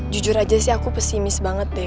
jujur aja sih aku pesimis banget deh